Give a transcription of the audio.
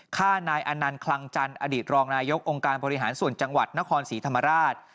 ฆ่านายอนันต์คลังจันทร์อดีตรองนายกองค์การบริหารส่วนจังหวัดนครศรีธรรมราช